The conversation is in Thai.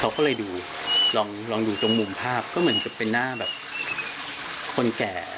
เขาก็เลยดูลองดูตรงมุมภาพก็เหมือนจะเป็นหน้าแบบคนแก่